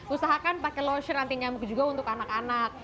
usahakan pakai lotion anti nyamuk juga untuk anak anak